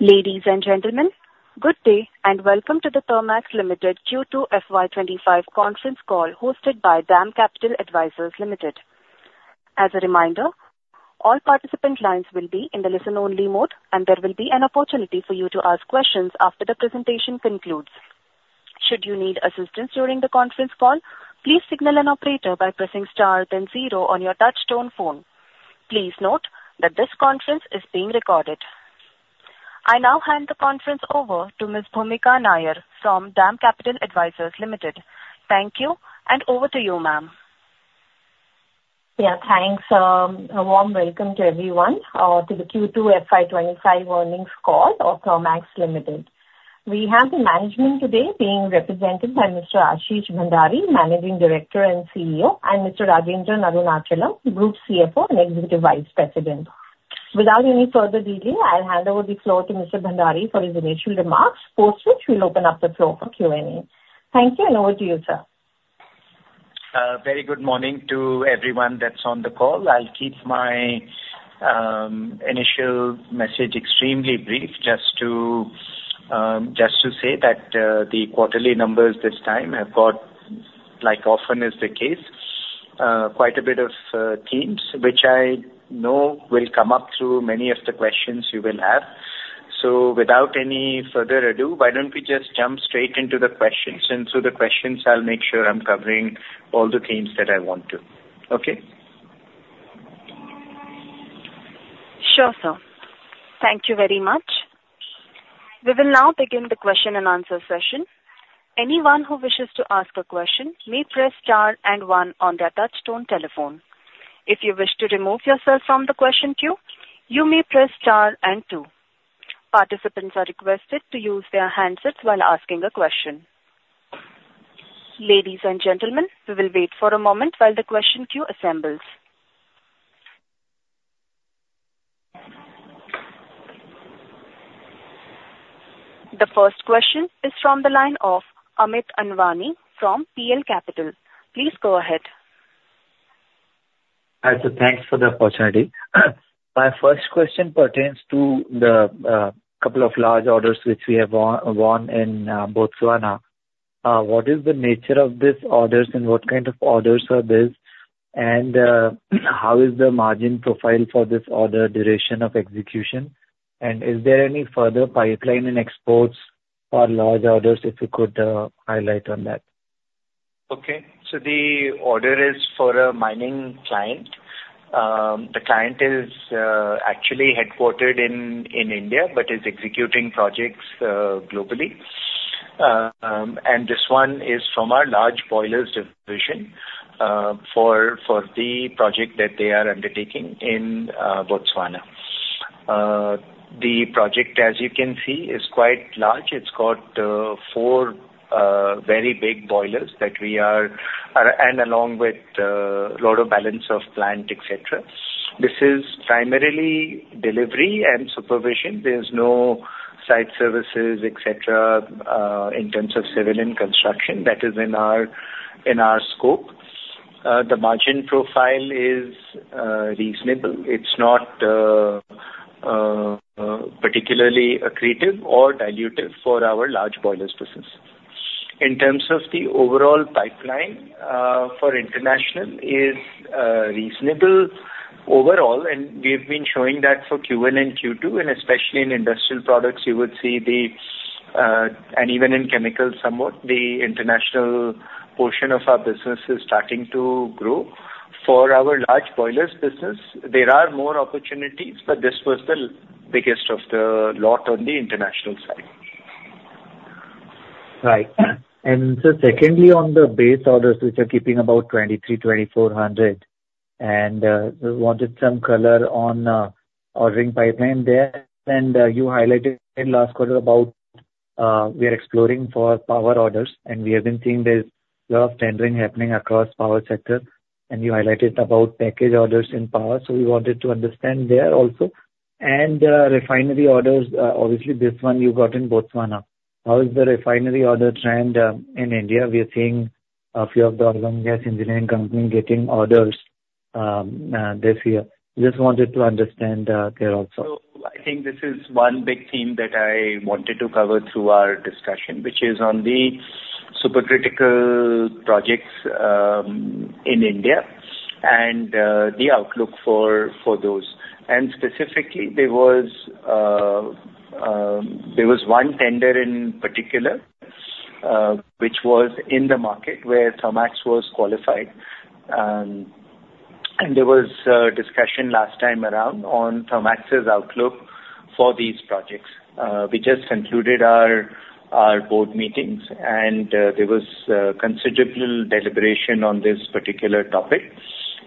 Ladies and gentlemen, good day and welcome to the Thermax Limited Q2 FY25 Conference Call hosted by DAM Capital Advisors Limited. As a reminder, all participant lines will be in the listen-only mode, and there will be an opportunity for you to ask questions after the presentation concludes. Should you need assistance during the conference call, please signal an operator by pressing star then zero on your touch-tone phone. Please note that this conference is being recorded. I now hand the conference over to Ms. Bhoomika Nair from DAM Capital Advisors Limited. Thank you, and over to you, ma'am. Yeah, thanks. A warm welcome to everyone to the Q2 FY25 earnings call of Thermax Limited. We have the management today being represented by Mr. Ashish Bhandari, Managing Director and CEO, and Mr. Rajendran Arunachalam, Group CFO and Executive Vice President. Without any further delay, I'll hand over the floor to Mr. Bhandari for his initial remarks, post which we'll open up the floor for Q&A. Thank you, and over to you, sir. Very good morning to everyone that's on the call. I'll keep my initial message extremely brief, just to say that the quarterly numbers this time have got, like often is the case, quite a bit of themes, which I know will come up through many of the questions you will have. So without any further ado, why don't we just jump straight into the questions? And through the questions, I'll make sure I'm covering all the themes that I want to. Okay? Sure, sir. Thank you very much. We will now begin the question and answer session. Anyone who wishes to ask a question may press star and one on their touch-tone telephone. If you wish to remove yourself from the question queue, you may press star and two. Participants are requested to use their handsets while asking a question. Ladies and gentlemen, we will wait for a moment while the question queue assembles. The first question is from the line of Amit Anwani from PL Capital. Please go ahead. Alright, so thanks for the opportunity. My first question pertains to the couple of large orders which we have won in Botswana. What is the nature of these orders, and what kind of orders are these, and how is the margin profile for this order, duration of execution? And is there any further pipeline in exports or large orders, if you could highlight on that? Okay, so the order is for a mining client. The client is actually headquartered in India but is executing projects globally. And this one is from our Large Boilers division for the project that they are undertaking in Botswana. The project, as you can see, is quite large. It's got four very big boilers that we are and along with a lot of Balance of Plant, etc. This is primarily delivery and supervision. There's no site services, etc., in terms of civil and construction. That is in our scope. The margin profile is reasonable. It's not particularly accretive or dilutive for our Large Boilers business. In terms of the overall pipeline for international, it is reasonable overall, and we have been showing that for Q1 and Q2, and especially in Industrial Products, you would see the, and even in Chemicals somewhat, the international portion of our business is starting to grow. For our large boilers business, there are more opportunities, but this was the biggest of the lot on the international side. Right. And so secondly, on the base orders, which are keeping about 23-24 hundred, and wanted some color on ordering pipeline there. And you highlighted last quarter about we are exploring for power orders, and we have been seeing there's a lot of tendering happening across power sector. And you highlighted about package orders in power, so we wanted to understand there also. And refinery orders, obviously this one you got in Botswana. How is the refinery order trend in India? We are seeing a few of the oil and gas engineering companies getting orders this year. Just wanted to understand there also. I think this is one big theme that I wanted to cover through our discussion, which is on the supercritical projects in India and the outlook for those. And specifically, there was one tender in particular, which was in the market where Thermax was qualified. And there was a discussion last time around on Thermax's outlook for these projects. We just concluded our board meetings, and there was considerable deliberation on this particular topic.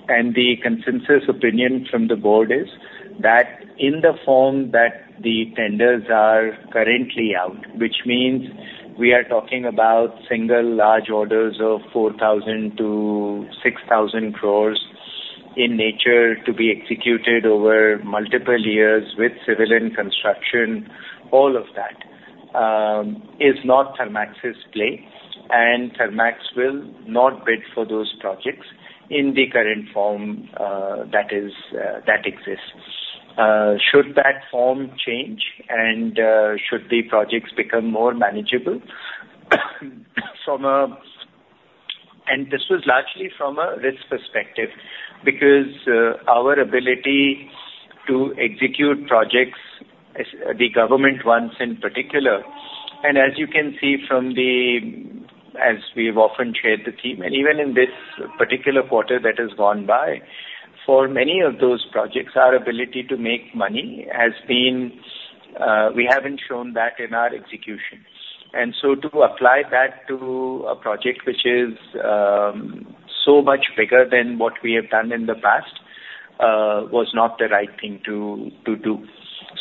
And the consensus opinion from the board is that in the form that the tenders are currently out, which means we are talking about single large orders of 4,000-6,000 crores in nature to be executed over multiple years with civil construction, all of that is not Thermax's play, and Thermax will not bid for those projects in the current form that exists. Should that form change, and should the projects become more manageable? And this was largely from a risk perspective because our ability to execute projects, the government ones in particular, and as you can see from the, as we've often shared the theme, and even in this particular quarter that has gone by, for many of those projects, our ability to make money has been we haven't shown that in our execution. And so to apply that to a project which is so much bigger than what we have done in the past was not the right thing to do.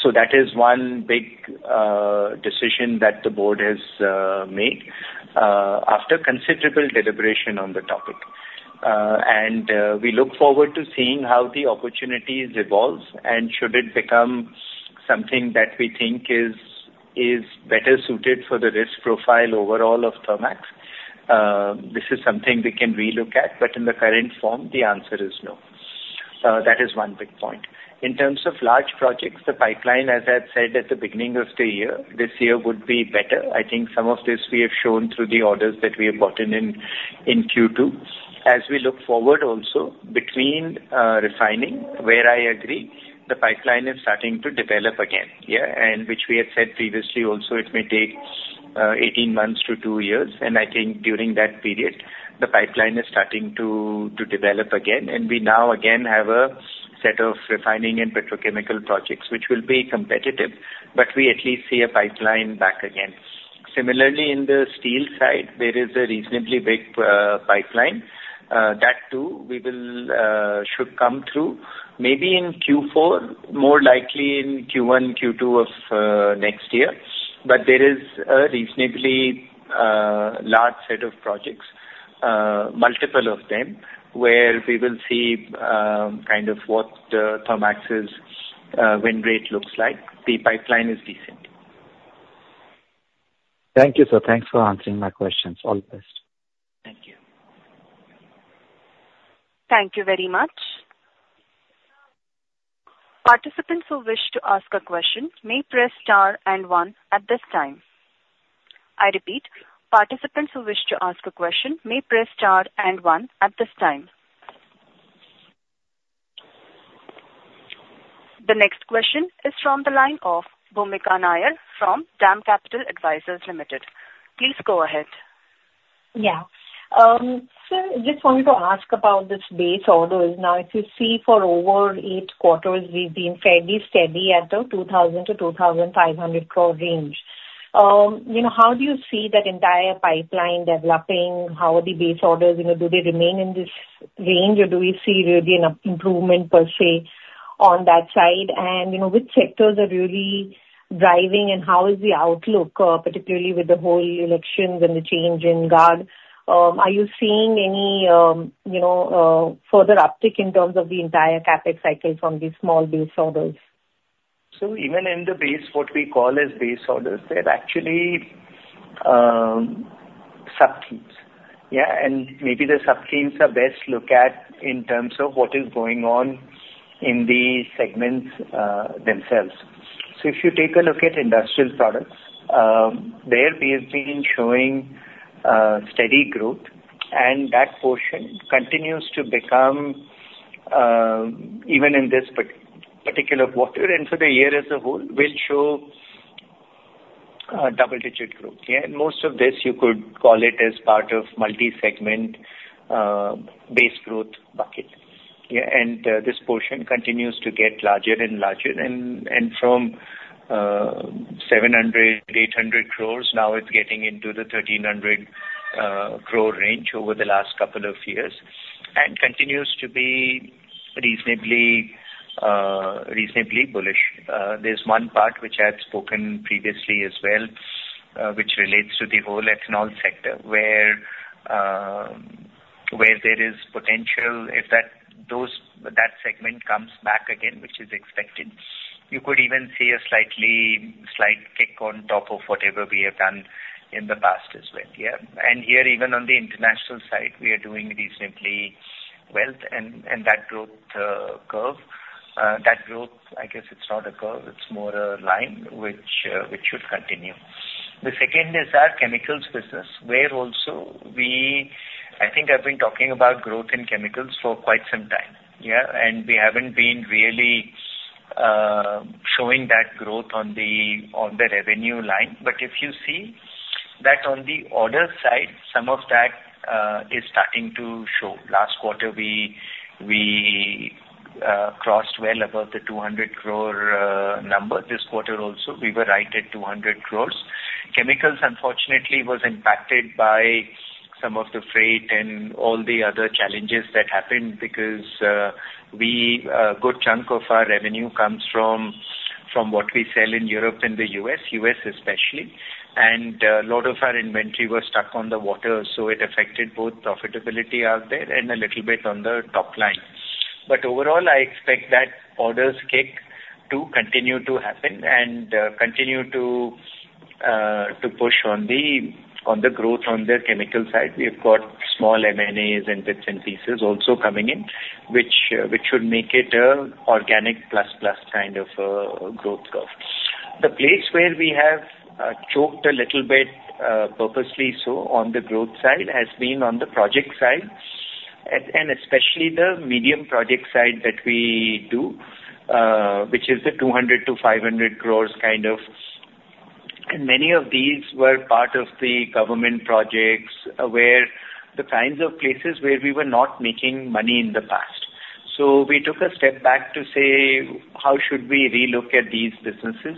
So that is one big decision that the board has made after considerable deliberation on the topic. And we look forward to seeing how the opportunities evolve, and should it become something that we think is better suited for the risk profile overall of Thermax, this is something we can relook at, but in the current form, the answer is no. That is one big point. In terms of large projects, the pipeline, as I had said at the beginning of the year, this year would be better. I think some of this we have shown through the orders that we have gotten in Q2. As we look forward also, between refining, where I agree, the pipeline is starting to develop again, yeah, and which we had said previously also, it may take 18 months to two years. And I think during that period, the pipeline is starting to develop again, and we now again have a set of refining and petrochemical projects which will be competitive, but we at least see a pipeline back again. Similarly, in the steel side, there is a reasonably big pipeline. That too should come through maybe in Q4, more likely in Q1, Q2 of next year, but there is a reasonably large set of projects, multiple of them, where we will see kind of what Thermax's win rate looks like. The pipeline is decent. Thank you, sir. Thanks for answering my questions. All the best. Thank you. Thank you very much. Participants who wish to ask a question may press star and one at this time. I repeat, participants who wish to ask a question may press star and one at this time. The next question is from the line of Bhoomika Nair from DAM Capital Advisors Limited. Please go ahead. Yeah. Sir, just wanted to ask about this Base Orders. Now, if you see for over eight quarters, we've been fairly steady at the 2,000-2,500 crore range. How do you see that entire pipeline developing? How are the base orders? Do they remain in this range, or do we see really an improvement per se on that side? And which sectors are really driving, and how is the outlook, particularly with the whole elections and the change in guard? Are you seeing any further uptick in terms of the entire CapEx cycle from these small base orders? So even in the base, what we call as base orders, they're actually sub-themes. Yeah, and maybe the sub-themes are best looked at in terms of what is going on in the segments themselves. So if you take a look at Industrial Products, they have been showing steady growth, and that portion continues to become even in this particular quarter and for the year as a whole, which show double-digit growth. Yeah, and most of this, you could call it as part of multi-segment base growth bucket. Yeah, and this portion continues to get larger and larger, and from 700-800 crores, now it's getting into the 1,300 crore range over the last couple of years and continues to be reasonably bullish. There's one part which I had spoken previously as well, which relates to the whole ethanol sector, where there is potential if that segment comes back again, which is expected. You could even see a slight kick on top of whatever we have done in the past as well. Yeah, and here, even on the international side, we are doing reasonably well, and that growth curve, that growth, I guess it's not a curve, it's more a line which should continue. The second is our Chemicals business, where also I think I've been talking about growth in chemicals for quite some time. Yeah, and we haven't been really showing that growth on the revenue line, but if you see that on the order side, some of that is starting to show. Last quarter, we crossed well above the 200 crore number. This quarter also, we were right at 200 crores. Chemicals, unfortunately, was impacted by some of the freight and all the other challenges that happened because a good chunk of our revenue comes from what we sell in Europe and the U.S., U.S. especially, and a lot of our inventory was stuck on the water, so it affected both profitability out there and a little bit on the top line. But overall, I expect that orders kick to continue to happen and continue to push on the growth on the chemical side. We have got small M&As and bits and pieces also coming in, which should make it an organic plus-plus kind of growth curve. The place where we have choked a little bit purposely so on the growth side has been on the project side, and especially the medium project side that we do, which is the 200-500 crores kind of. Many of these were part of the government projects where the kinds of places where we were not making money in the past. We took a step back to say, how should we relook at these businesses,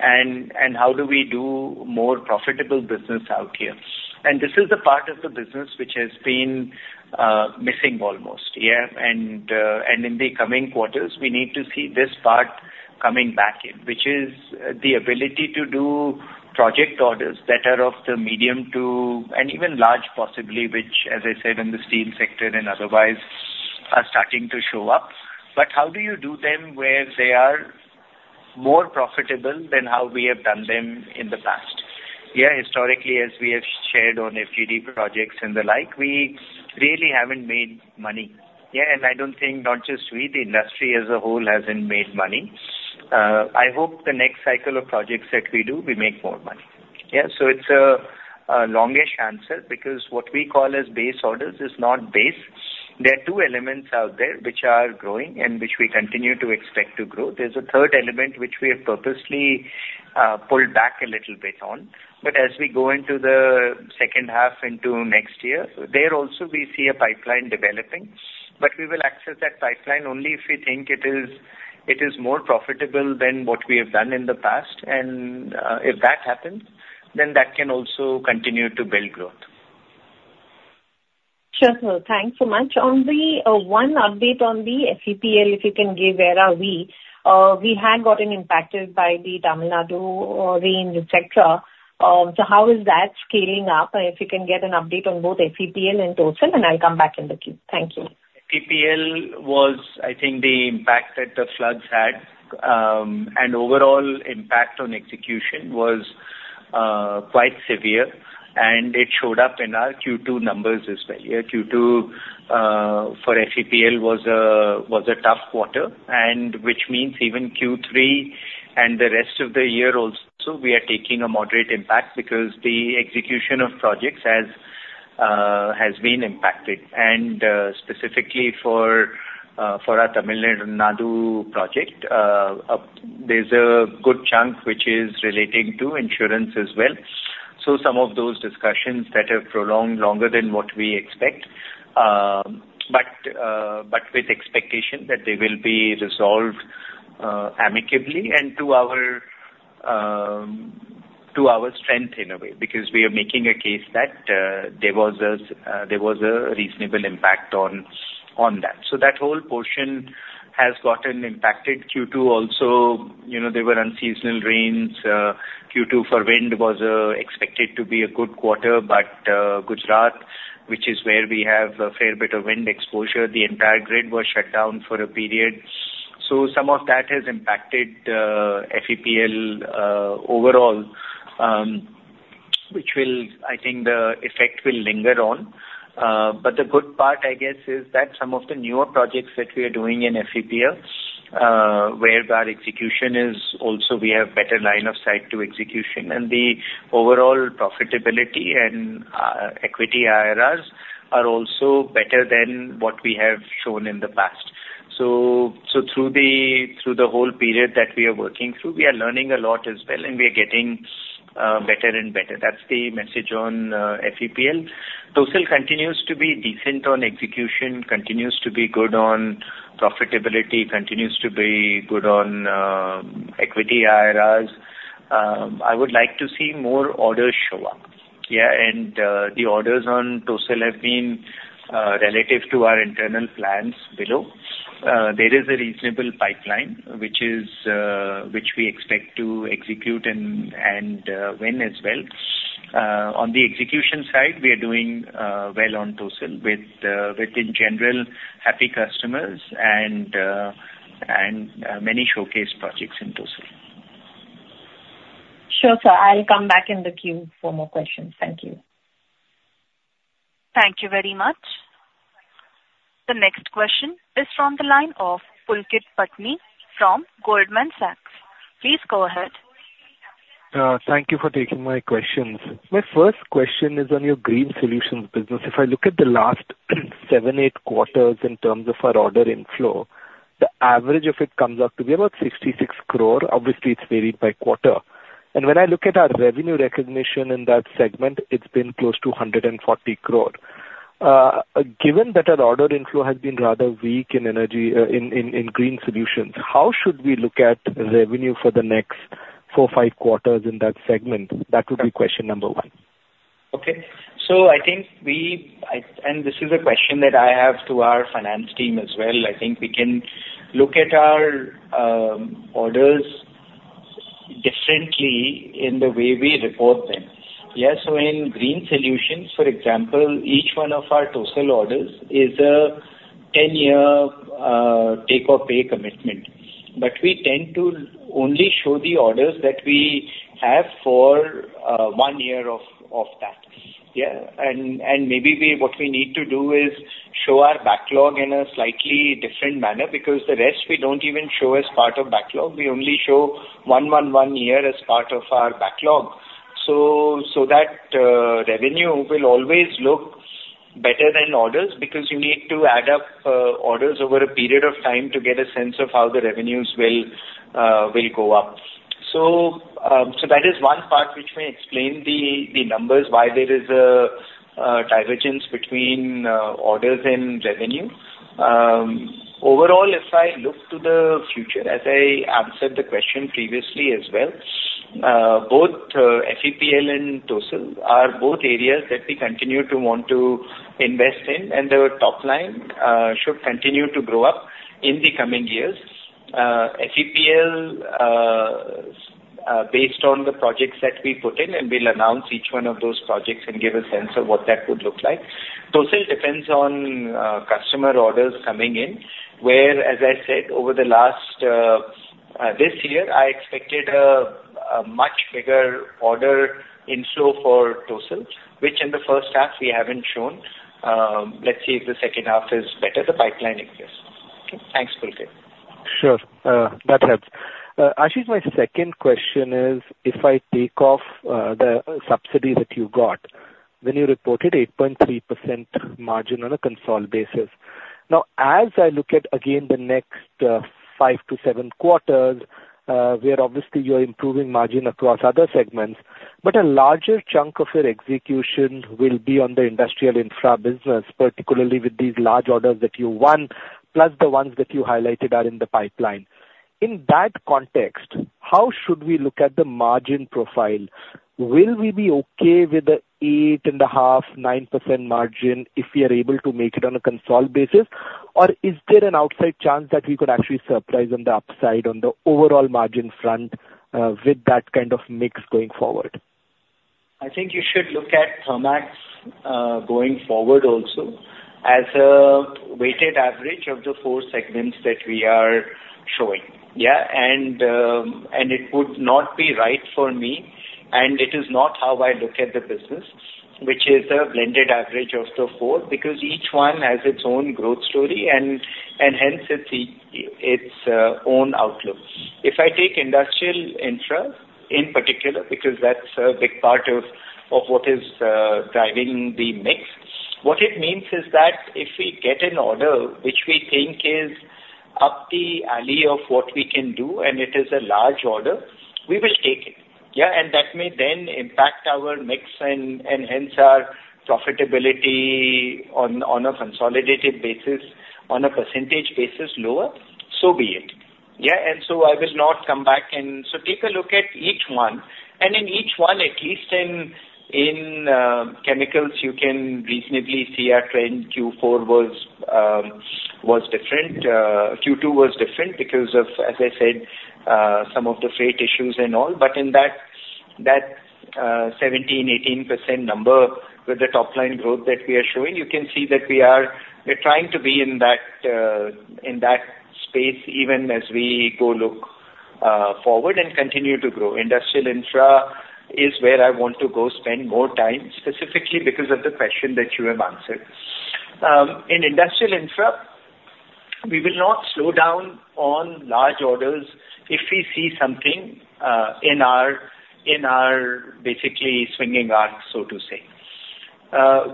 and how do we do more profitable business out here? This is the part of the business which has been missing almost, yeah, and in the coming quarters, we need to see this part coming back in, which is the ability to do project orders that are of the medium to, and even large possibly, which, as I said, in the steel sector and otherwise are starting to show up. How do you do them where they are more profitable than how we have done them in the past? Yeah, historically, as we have shared on FGD projects and the like, we really haven't made money. Yeah, and I don't think not just we, the industry as a whole, hasn't made money. I hope the next cycle of projects that we do, we make more money. Yeah, so it's a longish answer because what we call as base orders is not base. There are two elements out there which are growing and which we continue to expect to grow. There's a third element which we have purposely pulled back a little bit on, but as we go into the second half into next year, there also we see a pipeline developing, but we will assess that pipeline only if we think it is more profitable than what we have done in the past. If that happens, then that can also continue to build growth. Sure, sir. Thanks so much. One update on the FEPL, if you can give where are we? We had gotten impacted by the Tamil Nadu rain, etc. So how is that scaling up? And if you can get an update on both FEPL and TOESL, and I'll come back in the queue. Thank you. FEPL was, I think, the impact that the floods had, and overall impact on execution was quite severe, and it showed up in our Q2 numbers as well. Yeah, Q2 for FEPL was a tough quarter, which means even Q3 and the rest of the year also, we are taking a moderate impact because the execution of projects has been impacted. Specifically for our Tamil Nadu project, there's a good chunk which is relating to insurance as well. Some of those discussions that have prolonged longer than what we expect, but with expectation that they will be resolved amicably and to our strength in a way because we are making a case that there was a reasonable impact on that. That whole portion has gotten impacted. Q2 also, there were unseasonal rains. Q2 for wind was expected to be a good quarter, but Gujarat, which is where we have a fair bit of wind exposure, the entire grid was shut down for a period. So some of that has impacted FEPL overall, which I think the effect will linger on. But the good part, I guess, is that some of the newer projects that we are doing in FEPL, where our execution is also, we have better line of sight to execution, and the overall profitability and equity IRRs are also better than what we have shown in the past. So through the whole period that we are working through, we are learning a lot as well, and we are getting better and better. That's the message on FEPL. TOESL continues to be decent on execution, continues to be good on profitability, continues to be good on equity IRRs. I would like to see more orders show up. Yeah, and the orders on TOESL have been relative to our internal plans below. There is a reasonable pipeline which we expect to execute and win as well. On the execution side, we are doing well on TOESL with, in general, happy customers and many showcase projects in TOESL. Sure, sir. I'll come back in the queue for more questions. Thank you. Thank you very much. The next question is from the line of Pulkit Patni from Goldman Sachs. Please go ahead. Thank you for taking my questions. My first question is on your green solutions business. If I look at the last seven, eight quarters in terms of our order inflow, the average of it comes up to be about 66 crore. Obviously, it's varied by quarter. And when I look at our revenue recognition in that segment, it's been close to 140 crore. Given that our order inflow has been rather weak in Green Solutions, how should we look at revenue for the next four, five quarters in that segment? That would be question number one. Okay. So I think we, and this is a question that I have to our finance team as well. I think we can look at our orders differently in the way we report them. Yeah, so in Green Solutions, for example, each one of our TOESL orders is a 10-year take-or-pay commitment, but we tend to only show the orders that we have for one year of that. Yeah, and maybe what we need to do is show our backlog in a slightly different manner because the rest we don't even show as part of backlog. We only show one year as part of our backlog. So that revenue will always look better than orders because you need to add up orders over a period of time to get a sense of how the revenues will go up. So that is one part which may explain the numbers, why there is a divergence between orders and revenue. Overall, if I look to the future, as I answered the question previously as well, both FEPL and TOESL are both areas that we continue to want to invest in, and the top line should continue to grow up in the coming years. FEPL, based on the projects that we put in, and we'll announce each one of those projects and give a sense of what that would look like. TOESL depends on customer orders coming in, where, as I said, over the last this year, I expected a much bigger order inflow for TOESL, which in the first half we haven't shown. Let's see if the second half is better. The pipeline exists. Okay. Thanks, Pulkit. Sure. That helps. Ashish, my second question is, if I take off the subsidy that you got, then you reported 8.3% margin on a consolidated basis. Now, as I look at, again, the next five to seven quarters, where obviously you're improving margin across other segments, but a larger chunk of your execution will be on the Industrial Infra business, particularly with these large orders that you won, plus the ones that you highlighted are in the pipeline. In that context, how should we look at the margin profile? Will we be okay with the 8.5%, 9% margin if we are able to make it on a consolidated basis, or is there an outside chance that we could actually surprise on the upside on the overall margin front with that kind of mix going forward? I think you should look at Thermax going forward also as a weighted average of the four segments that we are showing. Yeah, and it would not be right for me, and it is not how I look at the business, which is a blended average of the four because each one has its own growth story and hence its own outlook. If I take Industrial Infra in particular, because that's a big part of what is driving the mix, what it means is that if we get an order which we think is up the alley of what we can do, and it is a large order, we will take it. Yeah, and that may then impact our mix and hence our profitability on a consolidated basis, on a percentage basis lower, so be it. Yeah, and so I will not come back and so take a look at each one, and in each one, at least in Chemicals, you can reasonably see our trend. Q4 was different. Q2 was different because of, as I said, some of the freight issues and all, but in that 17%-18% number with the top line growth that we are showing, you can see that we are trying to be in that space even as we go look forward and continue to grow. Industrial infra is where I want to go spend more time, specifically because of the question that you have answered. In Industrial Infra, we will not slow down on large orders if we see something in our basically swinging arc, so to say,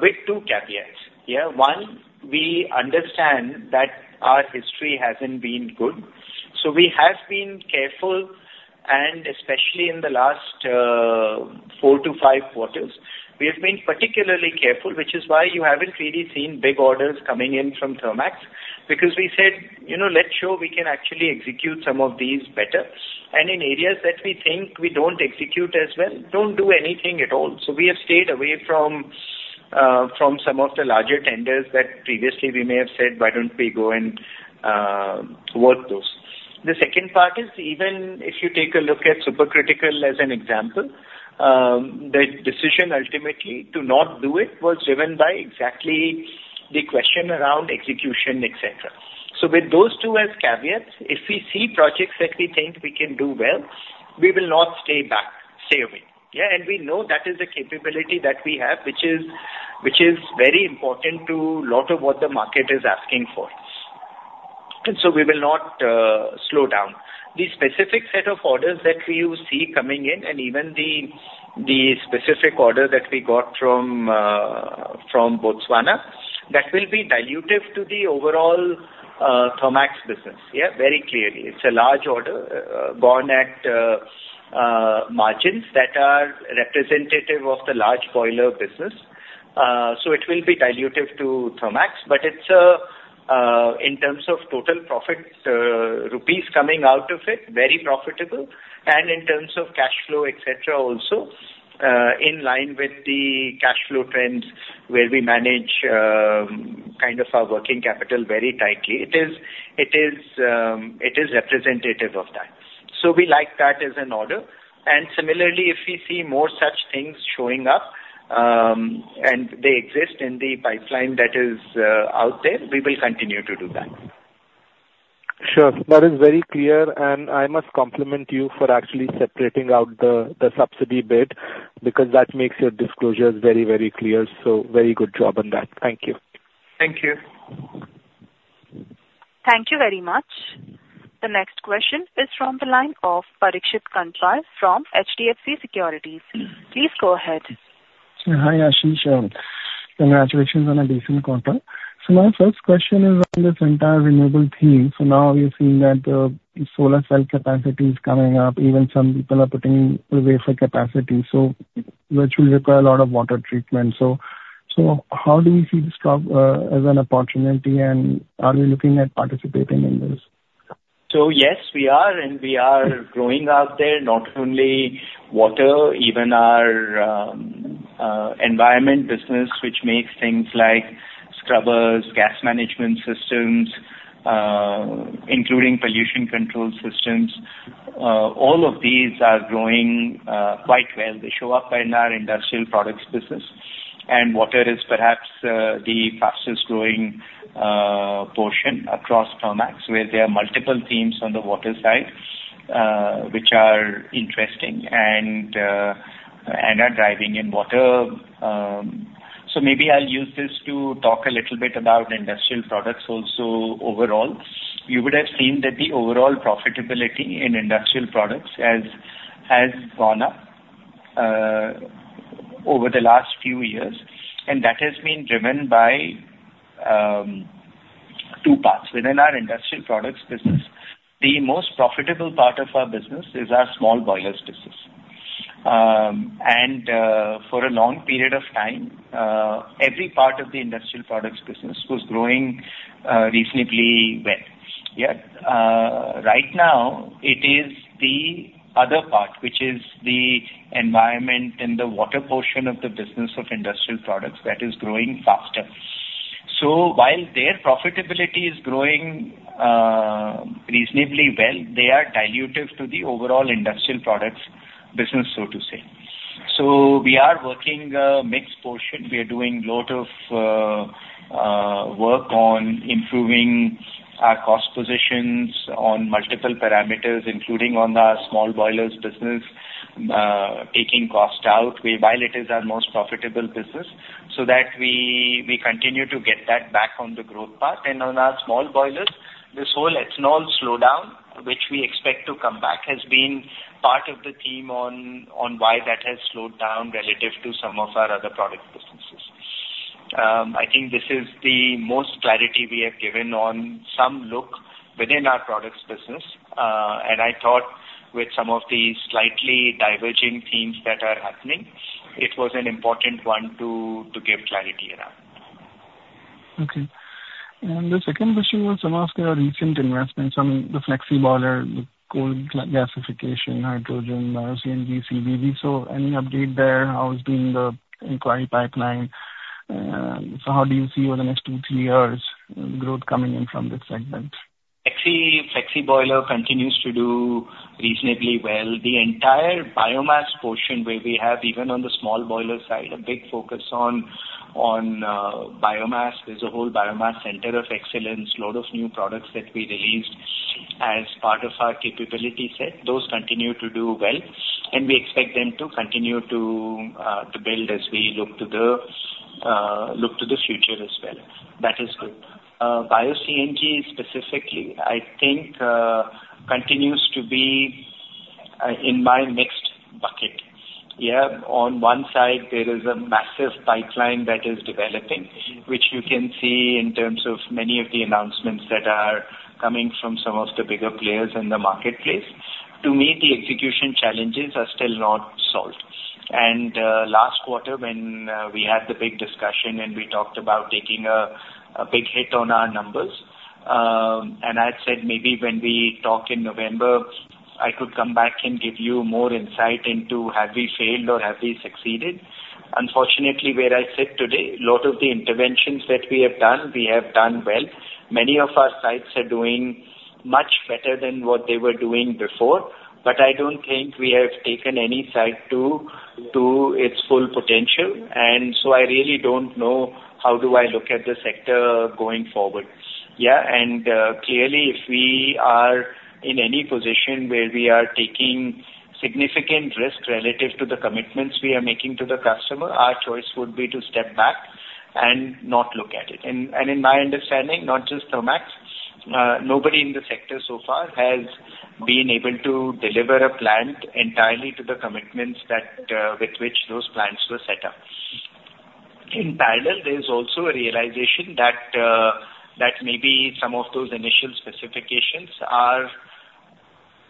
with two caveats. Yeah, one, we understand that our history hasn't been good. So we have been careful, and especially in the last four to five quarters, we have been particularly careful, which is why you haven't really seen big orders coming in from Thermax, because we said, "Let's show we can actually execute some of these better." And in areas that we think we don't execute as well, don't do anything at all. So we have stayed away from some of the larger tenders that previously we may have said, "Why don't we go and work those?" The second part is, even if you take a look at supercritical as an example, the decision ultimately to not do it was driven by exactly the question around execution, etc. So with those two as caveats, if we see projects that we can do well, we will not stay back, stay away. Yeah, and we know that is the capability that we have, which is very important to a lot of what the market is asking for. And so we will not slow down. The specific set of orders that we see coming in, and even the specific order that we got from Botswana, that will be dilutive to the overall Thermax business. Yeah, very clearly. It's a large order gone at margins that are representative of the Large Boiler business. So it will be dilutive to Thermax, but it's, in terms of total profit rupees coming out of it, very profitable, and in terms of cash flow, etc., also in line with the cash flow trends where we manage kind of our working capital very tightly. It is representative of that. So we like that as an order. Similarly, if we see more such things showing up and they exist in the pipeline that is out there, we will continue to do that. Sure. That is very clear, and I must compliment you for actually separating out the subsidy bid because that makes your disclosures very, very clear. So very good job on that. Thank you. Thank you. Thank you very much. The next question is from the line of Parikshit Kandpal from HDFC Securities. Please go ahead. Hi, Ashish. Congratulations on a decent quarter. So my first question is on this entire renewable theme. So now we are seeing that solar cell capacity is coming up. Even some people are putting up capacity. So that should require a lot of water treatment. So how do we see this as an opportunity, and are we looking at participating in this? So yes, we are, and we are growing out there, not only water, even our environment business, which makes things like scrubbers, gas management systems, including pollution control systems. All of these are growing quite well. They show up in our Industrial Products business, and water is perhaps the fastest growing portion across Thermax, where there are multiple themes on the water side, which are interesting and are driving in water. So maybe I'll use this to talk a little bit about Industrial Products also overall. You would have seen that the overall profitability in Industrial Products has gone up over the last few years, and that has been driven by two parts. Within our Industrial Products business, the most profitable part of our business is our small boilers business. And for a long period of time, every part of the Industrial Products business was growing reasonably well. Yeah, right now, it is the other part, which is the environment and the water portion of the business of Industrial Products that is growing faster. So while their profitability is growing reasonably well, they are dilutive to the overall Industrial Products business, so to say. So we are working a mixed portion. We are doing a lot of work on improving our cost positions on multiple parameters, including on the small boilers business, taking cost out while it is our most profitable business, so that we continue to get that back on the growth path. And on our small boilers, this whole ethanol slowdown, which we expect to come back, has been part of the theme on why that has slowed down relative to some of our other product businesses. I think this is the most clarity we have given on some look within our products business. I thought with some of these slightly diverging themes that are happening, it was an important one to give clarity around. Okay. And the second question was about your recent investments on the Flexi Boiler, the coal gasification, hydrogen, CNG, bio-CNG. So any update there? How has been the inquiry pipeline? So how do you see over the next two, three years growth coming in from this segment? Flexi Boiler continues to do reasonably well. The entire biomass portion where we have, even on the small boiler side, a big focus on biomass. There's a whole biomass center of excellence, a lot of new products that we released as part of our capability set. Those continue to do well, and we expect them to continue to build as we look to the future as well. That is good. Bio-CNG specifically, I think, continues to be in my mixed bucket. Yeah, on one side, there is a massive pipeline that is developing, which you can see in terms of many of the announcements that are coming from some of the bigger players in the marketplace. To me, the execution challenges are still not solved. And last quarter, when we had the big discussion and we talked about taking a big hit on our numbers, and I had said maybe when we talk in November, I could come back and give you more insight into have we failed or have we succeeded. Unfortunately, where I sit today, a lot of the interventions that we have done, we have done well. Many of our sites are doing much better than what they were doing before, but I don't think we have taken any site to its full potential. And so I really don't know how do I look at the sector going forward. Yeah, and clearly, if we are in any position where we are taking significant risk relative to the commitments we are making to the customer, our choice would be to step back and not look at it. In my understanding, not just Thermax, nobody in the sector so far has been able to deliver a plant entirely to the commitments with which those plants were set up. In parallel, there is also a realization that maybe some of those initial specifications are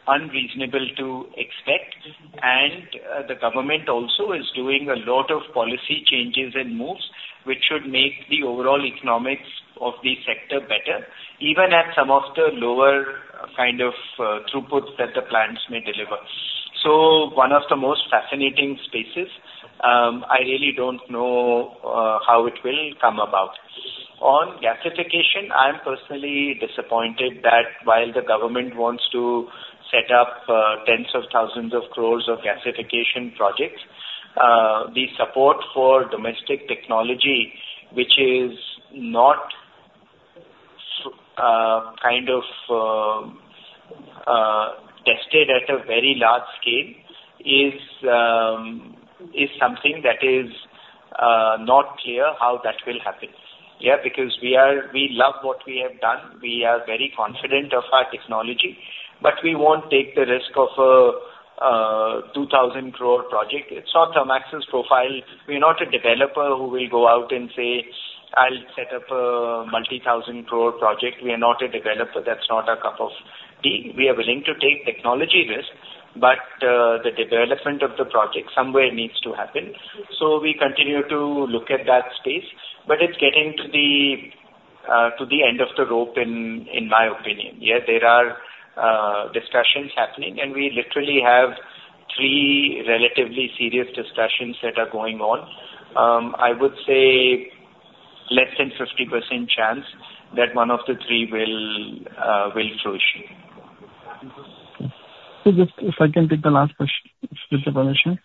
unreasonable to expect, and the government also is doing a lot of policy changes and moves, which should make the overall economics of the sector better, even at some of the lower kind of throughputs that the plants may deliver. So one of the most fascinating spaces, I really don't know how it will come about. On gasification, I'm personally disappointed that while the government wants to set up tens of thousands of crores of gasification projects, the support for domestic technology, which is not kind of tested at a very large scale, is something that is not clear how that will happen. Yeah, because we love what we have done. We are very confident of our technology, but we won't take the risk of a 2,000 crore project. It's not Thermax's profile. We are not a developer who will go out and say, "I'll set up a multi-thousand crore project." We are not a developer that's not a cup of tea. We are willing to take technology risk, but the development of the project somewhere needs to happen. So we continue to look at that space, but it's getting to the end of the rope, in my opinion. Yeah, there are discussions happening, and we literally have three relatively serious discussions that are going on. I would say less than 50% chance that one of the three will flourish. So just if I can take the last question, with your permission.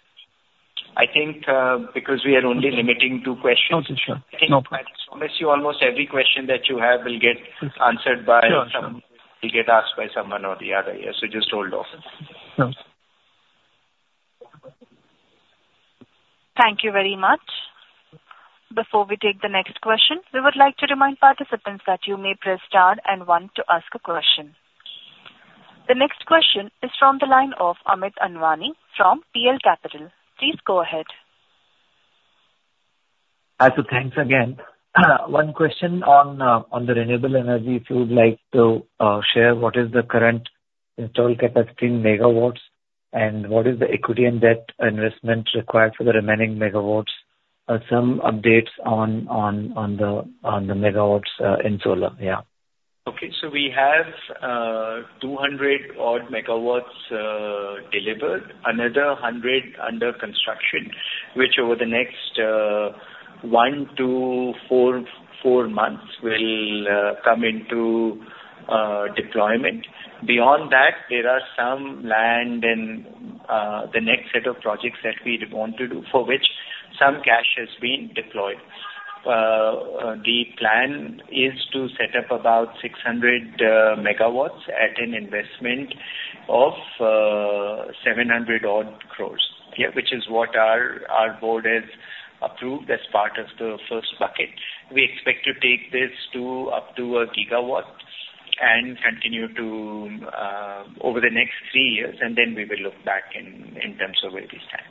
I think because we are only limiting to questions. Okay, sure. No problem. I think almost every question that you have will get answered by someone or the other. Yeah, so just hold off. Sure. Thank you very much. Before we take the next question, we would like to remind participants that you may press star and one to ask a question. The next question is from the line of Amit Anwani from PL Capital. Please go ahead. Thanks again. One question on the renewable energy, if you would like to share what is the current installed capacity in MW and what is the equity and debt investment required for the remaining MW? Some updates on the MW in solar. Yeah. Okay, so we have 200-odd MW delivered, another 100 under construction, which over the next one to four months will come into deployment. Beyond that, there are some land and the next set of projects that we want to do for which some cash has been deployed. The plan is to set up about 600 MW at an investment of 700-odd crores, which is what our board has approved as part of the first bucket. We expect to take this up to a GW and continue to over the next three years, and then we will look back in terms of where we stand.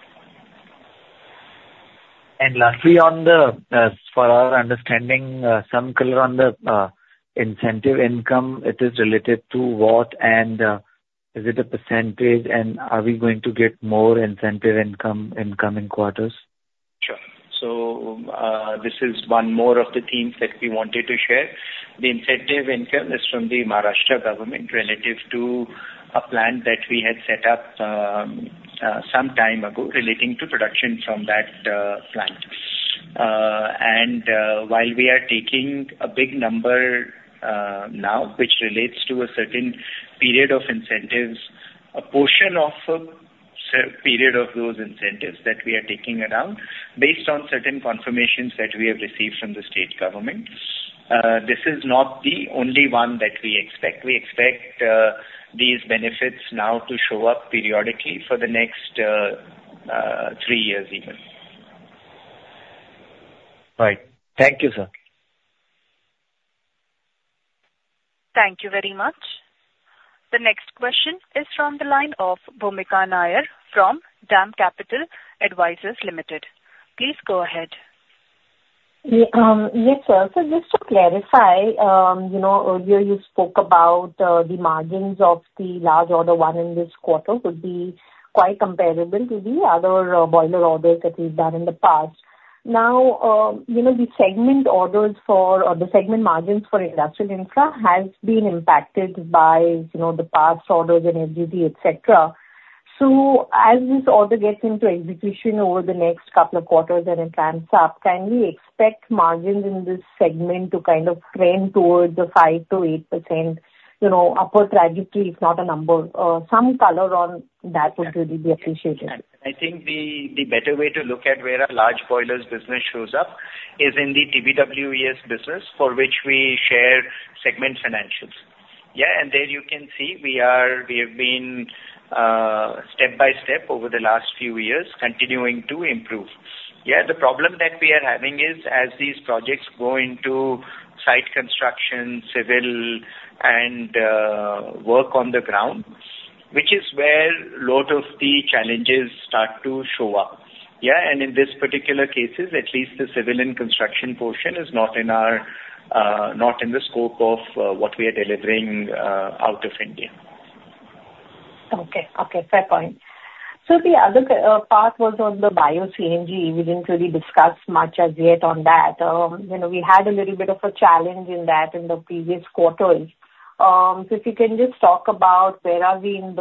And lastly, for our understanding, some color on the incentive income, it is related to what, and is it a percentage, and are we going to get more incentive income in coming quarters? Sure. So this is one more of the themes that we wanted to share. The incentive income is from the Maharashtra government relative to a plant that we had set up some time ago relating to production from that plant, and while we are taking a big number now, which relates to a certain period of incentives, a portion of a period of those incentives that we are taking around based on certain confirmations that we have received from the state government. This is not the only one that we expect. We expect these benefits now to show up periodically for the next three years even. Right. Thank you, sir. Thank you very much. The next question is from the line of Bhoomika Nair from DAM Capital Advisors Limited. Please go ahead. Yes, sir. So just to clarify, earlier you spoke about the margins of the large order one in this quarter would be quite comparable to the other boiler orders that we've done in the past. Now, the segment orders for the segment margins for Industrial Infra have been impacted by the past orders and FGD, etc. So as this order gets into execution over the next couple of quarters and it ramps up, can we expect margins in this segment to kind of trend towards the 5%-8% upper trajectory, if not a number? Some color on that would really be appreciated. I think the better way to look at where a Large Boilers business shows up is in the TBWES business, for which we share segment financials. Yeah, and there you can see we have been step by step over the last few years, continuing to improve. Yeah, the problem that we are having is as these projects go into site construction, civil, and work on the ground, which is where a lot of the challenges start to show up. Yeah, and in this particular case, at least the civil and construction portion is not in the scope of what we are delivering out of India. Okay. Okay. Fair point. So the other part was on the Bio-CNG. We didn't really discuss much as yet on that. We had a little bit of a challenge in that in the previous quarters. So if you can just talk about where are we? Is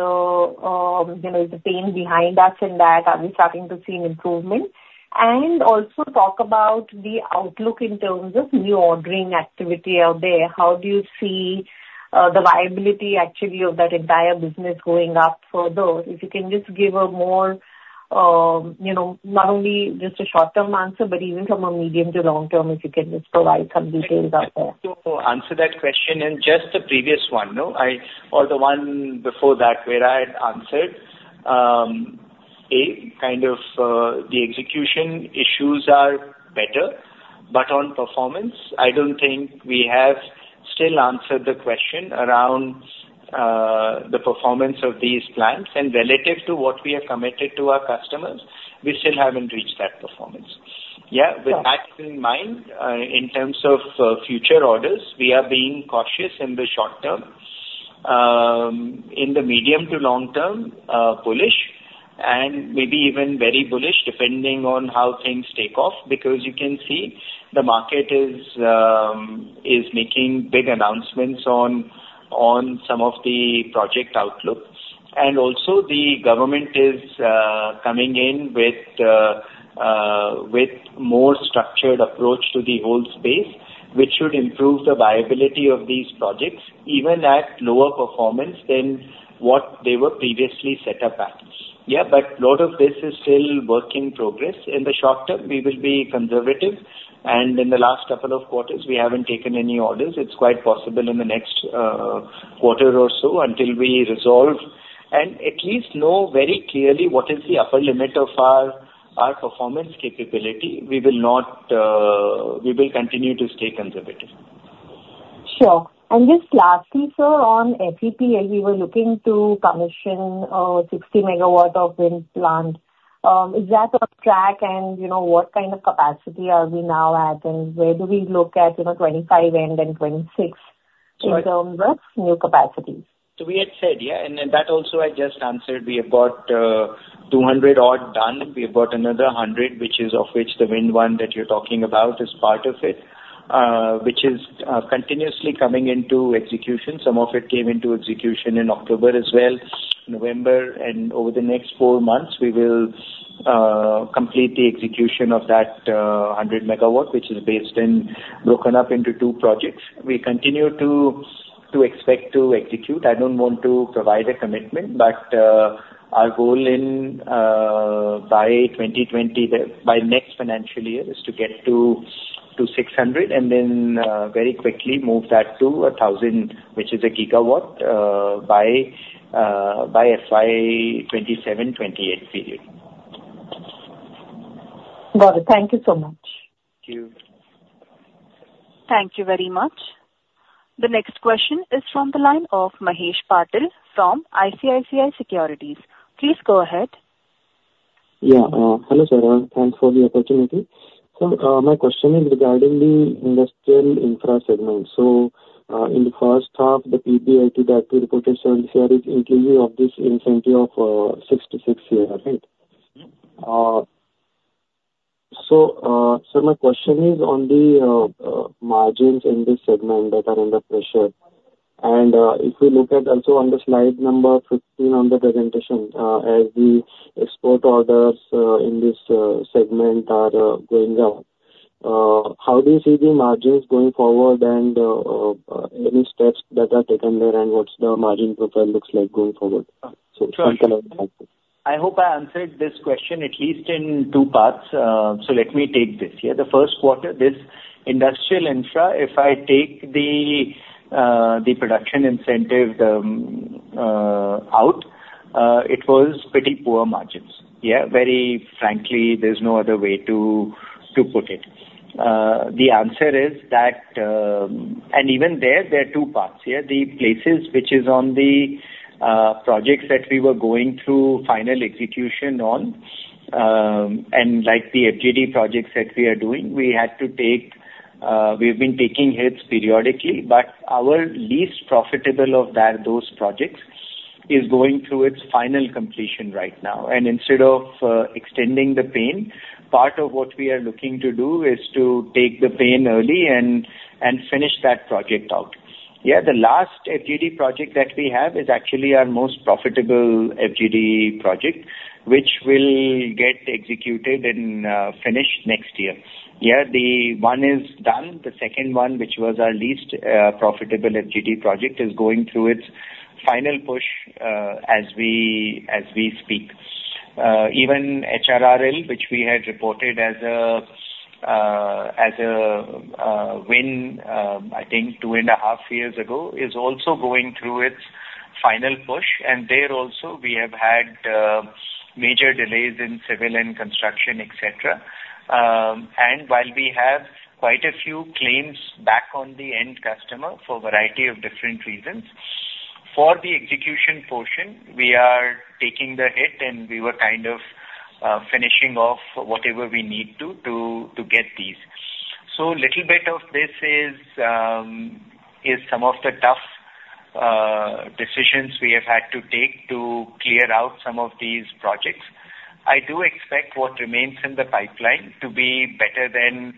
the pain behind us in that? Are we starting to see an improvement? And also talk about the outlook in terms of new ordering activity out there. How do you see the viability actually of that entire business going up for those? If you can just give a more not only just a short-term answer, but even from a medium to long term, if you can just provide some details out there. So to answer that question and just the previous one or the one before that, where I had answered A, kind of the execution issues are better, but on performance, I don't think we have still answered the question around the performance of these plants, and relative to what we have committed to our customers, we still haven't reached that performance. Yeah, with that in mind, in terms of future orders, we are being cautious in the short term, in the medium to long term, bullish, and maybe even very bullish, depending on how things take off, because you can see the market is making big announcements on some of the project outlook, and also, the government is coming in with a more structured approach to the whole space, which should improve the viability of these projects, even at lower performance than what they were previously set up at. Yeah, but a lot of this is still work in progress. In the short term, we will be conservative, and in the last couple of quarters, we haven't taken any orders. It's quite possible in the next quarter or so until we resolve and at least know very clearly what is the upper limit of our performance capability. We will continue to stay conservative. Sure. And just lastly, sir, on FEPL, we were looking to commission a 60 MW wind plant. Is that on track? And what kind of capacity are we now at? And where do we look at 2025 and 2026 in terms of new capacity? So we had said, yeah, and that also I just answered. We have got 200-odd done. We have got another 100, which is of which the wind one that you're talking about is part of it, which is continuously coming into execution. Some of it came into execution in October as well, November. And over the next four months, we will complete the execution of that 100 MW, which is broken up into two projects. We continue to expect to execute. I don't want to provide a commitment, but our goal by 2020, by next financial year, is to get to 600 and then very quickly move that to 1,000, which is a GW by FY 2027-28 period. Got it. Thank you so much. Thank you. Thank you very much. The next question is from the line of Mahesh Patil from ICICI Securities. Please go ahead. Yeah. Hello, sir. Thanks for the opportunity. So my question is regarding the Industrial Infra segment. So in the first half, the PBIT reported 70 crores is inclusive of this incentive of 66 crores, right? So my question is on the margins in this segment that are under pressure. And if we look at also on the slide number 15 on the presentation, as the export orders in this segment are going up, how do you see the margins going forward and any steps that are taken there and what's the margin profile looks like going forward? So thank you for the answer. I hope I answered this question at least in two parts, so let me take this. Yeah, the first quarter, this Industrial Infra, if I take the production incentive out, it was pretty poor margins. Yeah, very frankly, there's no other way to put it. The answer is that, and even there, there are two parts. Yeah, the places which is on the projects that we were going through final execution on, and like the FGD projects that we are doing, we've been taking hits periodically, but our least profitable of those projects is going through its final completion right now, and instead of extending the pain, part of what we are looking to do is to take the pain early and finish that project out. Yeah, the last FGD project that we have is actually our most profitable FGD project, which will get executed and finished next year. Yeah, the one is done. The second one, which was our least profitable FGD project, is going through its final push as we speak. Even HRRL, which we had reported as a win, I think two and a half years ago, is also going through its final push, and there also, we have had major delays in civil and construction, etc., and while we have quite a few claims back on the end customer for a variety of different reasons, for the execution portion, we are taking the hit, and we were kind of finishing off whatever we need to get these, so a little bit of this is some of the tough decisions we have had to take to clear out some of these projects. I do expect what remains in the pipeline to be better than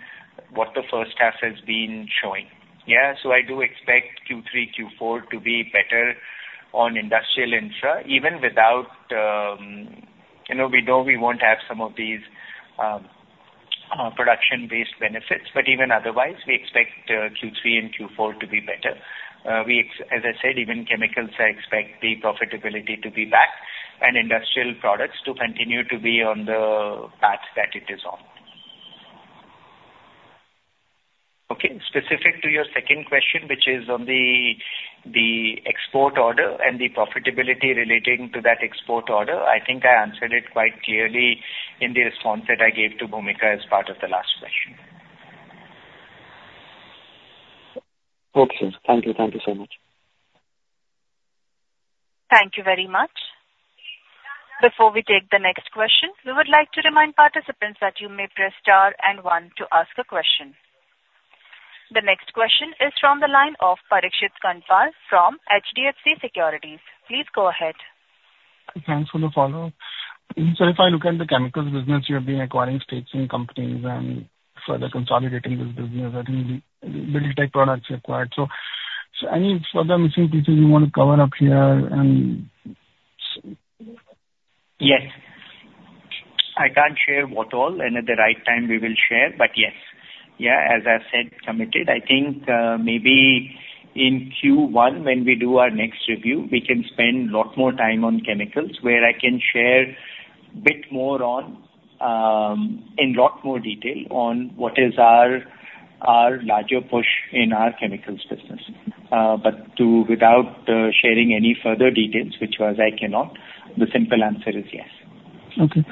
what the first half has been showing. Yeah, so I do expect Q3, Q4 to be better on industrial infra, even without we know we won't have some of these production-based benefits, but even otherwise, we expect Q3 and Q4 to be better. As I said, even chemicals, I expect the profitability to be back and Industrial Products to continue to be on the path that it is on. Okay. Specific to your second question, which is on the export order and the profitability relating to that export order, I think I answered it quite clearly in the response that I gave to Bhoomika as part of the last question. Okay. Thank you. Thank you so much. Thank you very much. Before we take the next question, we would like to remind participants that you may press star and one to ask a question. The next question is from the line of Parikshit Kandpal from HDFC Securities. Please go ahead. Thanks for the follow-up. So if I look at the Chemicals business, you have been acquiring stakes and companies and further consolidating this business. I think the Buildtech Products you acquired. So any further missing pieces you want to cover up here? Yes. I can't share what all, and at the right time, we will share, but yes. Yeah, as I said, committed. I think maybe in Q1, when we do our next review, we can spend a lot more time on Chemicals where I can share a bit more on in a lot more detail on what is our larger push in our Chemicals business. But without sharing any further details, which I cannot, the simple answer is yes. Okay.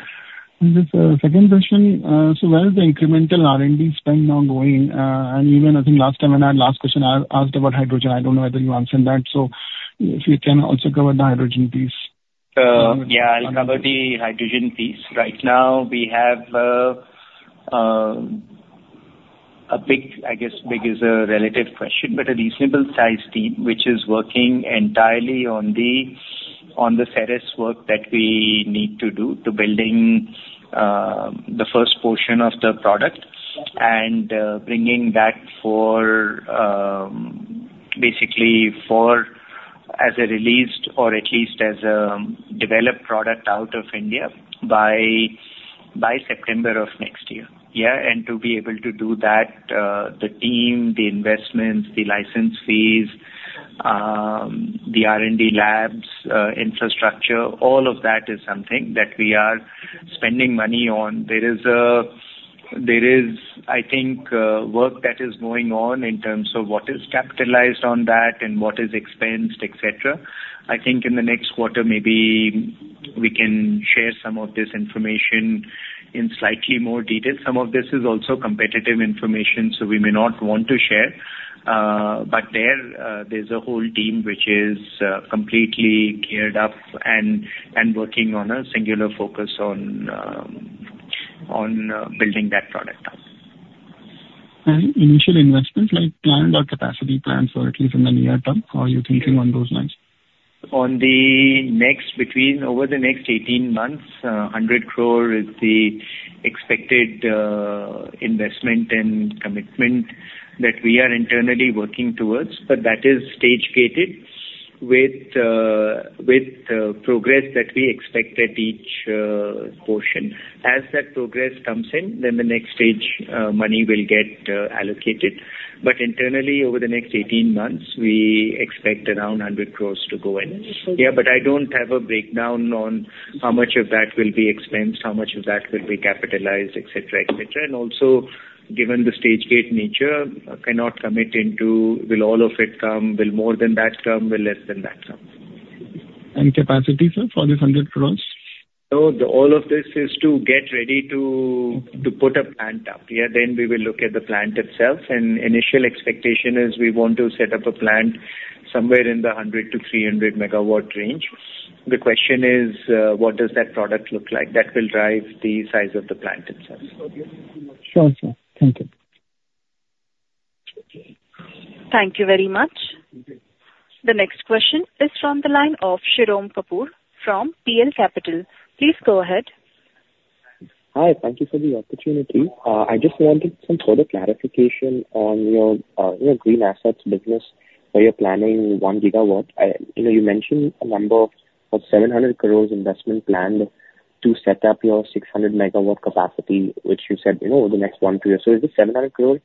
And just a second question. So where is the incremental R&D spend now going? And even I think last time when I had last question, I asked about hydrogen. I don't know whether you answered that. So if you can also cover the hydrogen piece. Yeah, I'll cover the hydrogen piece. Right now, we have a big, I guess, big is a relative question, but a reasonable size team, which is working entirely on the serious work that we need to do to building the first portion of the product and bringing that basically as a released or at least as a developed product out of India by September of next year. Yeah, and to be able to do that, the team, the investments, the license fees, the R&D labs, infrastructure, all of that is something that we are spending money on. There is, I think, work that is going on in terms of what is capitalized on that and what is expensed, etc. I think in the next quarter, maybe we can share some of this information in slightly more detail. Some of this is also competitive information, so we may not want to share, but there is a whole team which is completely geared up and working on a singular focus on building that product up. Initial investments, like planned or capacity plans for at least in the near term, how are you thinking on those lines? Over the next 18 months, 100 crore is the expected investment and commitment that we are internally working towards, but that is stage-gated with progress that we expect at each portion. As that progress comes in, then the next stage money will get allocated. But internally, over the next 18 months, we expect around 100 crores to go in. Yeah, but I don't have a breakdown on how much of that will be expensed, how much of that will be capitalized, etc., etc. And also, given the stage-gate nature, cannot commit into will all of it come, will more than that come, will less than that come. And capacity for this 100 crores? So all of this is to get ready to put a plant up. Yeah, then we will look at the plant itself. And initial expectation is we want to set up a plant somewhere in the 100-300 MW range. The question is, what does that product look like? That will drive the size of the plant itself. Sure, sure. Thank you. Thank you very much. The next question is from the line of Shirom Kapur from PL Capital. Please go ahead. Hi. Thank you for the opportunity. I just wanted some further clarification on your green assets business where you're planning one GW. You mentioned a number of 700 crores investment planned to set up your 600 MW capacity, which you said over the next one to year. So is this 700 crore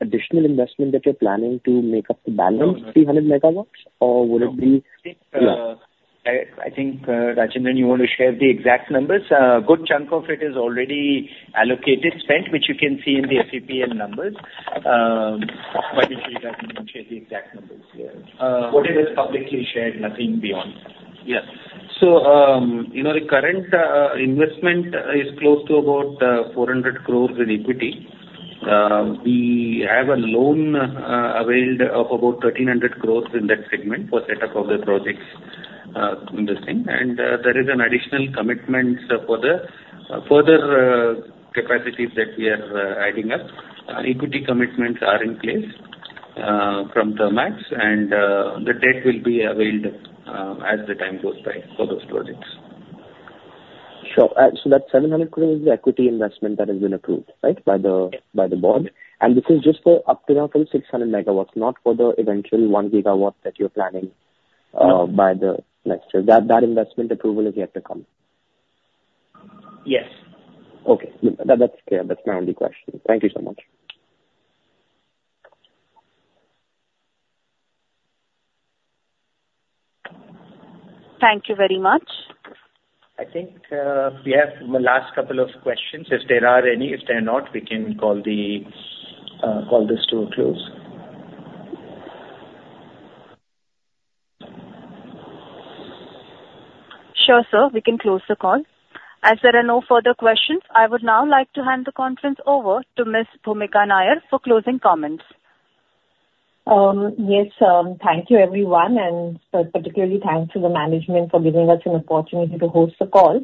additional investment that you're planning to make up the balance, 300 MW, or would it be? Yeah. I think, Rajendran, you want to share the exact numbers? A good chunk of it is already allocated, spent, which you can see in the FEPL numbers. But if you guys want to share the exact numbers, yeah. Whatever is publicly shared, nothing beyond. Yeah. So the current investment is close to about 400 crores in equity. We have a loan availed of about 1,300 crores in that segment for setup of the projects in this thing. And there is an additional commitment for the further capacities that we are adding up. Equity commitments are in place from Thermax, and the debt will be availed as the time goes by for those projects. Sure. So that 700 crores is the equity investment that has been approved, right, by the board? Yes. This is just for up to now for the 600 MW, not for the eventual one GW that you're planning by the next year. That investment approval is yet to come? Yes. Okay. That's clear. That's my only question. Thank you so much. Thank you very much. I think we have the last couple of questions. If there are any, if there are not, we can call this to a close. Sure, sir. We can close the call. As there are no further questions, I would now like to hand the conference over to Ms. Bhoomika Nair for closing comments. Yes, sir. Thank you, everyone, and particularly thanks to the management for giving us an opportunity to host the call.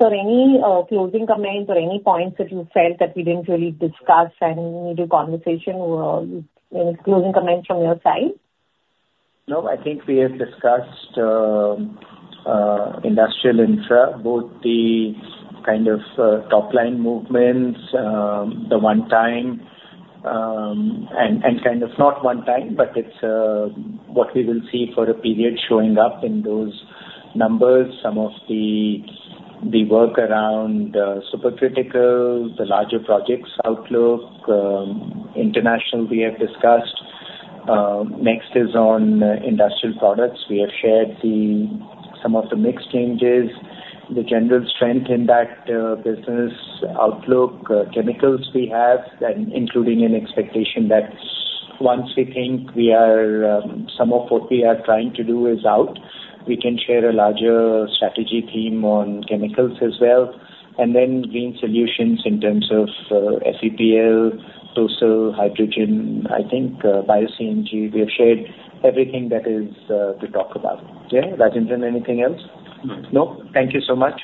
Sir, any closing comments or any points that you felt that we didn't really discuss and need a conversation or closing comments from your side? No, I think we have discussed Industrial Infra, both the kind of top-line movements, the one-time and kind of not one-time, but it's what we will see for a period showing up in those numbers. Some of the work around supercritical, the larger projects outlook, international we have discussed. Next is on Industrial Products. We have shared some of the mixed changes, the general strength in that business outlook, chemicals we have, including an expectation that once we think we are some of what we are trying to do is out, we can share a larger strategy theme on chemicals as well. And then green solutions in terms of FEPL, TOESL, hydrogen, I think, Bio-CNG. We have shared everything that is to talk about. Yeah, Rajendran, anything else? No. No? Thank you so much.